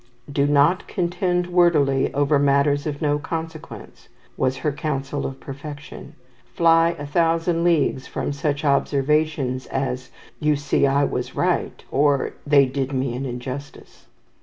"Do not contend wordily over matters of no consequence," was her counsel of perfection. "Fly a thousand leagues from such observations as 'You see I was right,' or 'They did me an injustice.'"